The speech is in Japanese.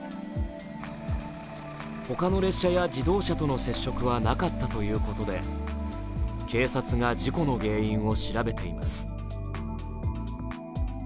他の列車や自動車との接触はなかったということで警察が事故の原因を調べています。